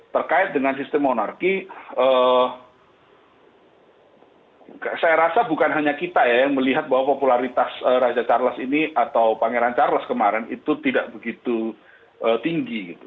terkait dengan sistem monarki saya rasa bukan hanya kita ya yang melihat bahwa popularitas raja charles ini atau pangeran charles kemarin itu tidak begitu tinggi